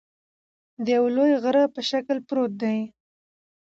د یوه لوی غره په شکل پروت دى